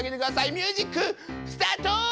ミュージックスタート！